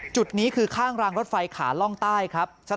จุดนี้คือข้างรางรถไฟขาล่องใต้ครับ